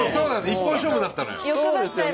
一本勝負だったのよ。